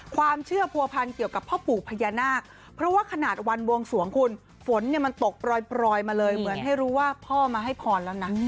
ความเชื่อผัวพันเกี่ยวกับพ่อปู่พญานาคเพราะว่าขนาดวันบวงสวงคุณฝนเนี่ยมันตกปล่อยมาเลยเหมือนให้รู้ว่าพ่อมาให้พรแล้วนะ